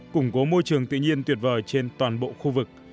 củng cố môi trường tự nhiên tuyệt vời trên toàn bộ khu vực